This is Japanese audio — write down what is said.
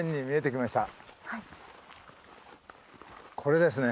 これですね。